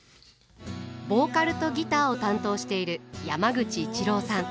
ボーカルとギターを担当している山口一郎さん。